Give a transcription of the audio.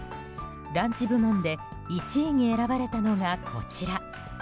ランチ部門で１位に選ばれたのが、こちら。